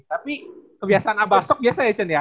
tapi kebiasaan abasok biasa ya cen ya